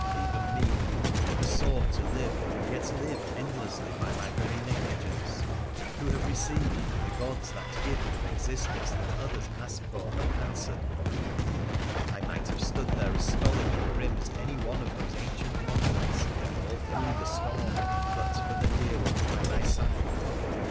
Even me, who never sought to live, yet live endlessly by my very negligence — who have received from the gods that gift of existence that others ask for unanswered. I might have stood there as stolid and grim as any one of those ancient monoliths all through the storm, but for the dear one by my side.